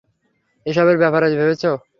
এসবের ব্যাপারে ভেবেছ?